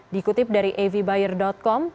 dikutip dari avbuyer com